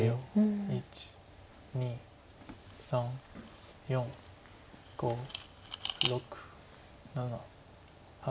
１２３４５６７８。